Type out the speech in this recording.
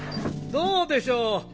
どうでしょう？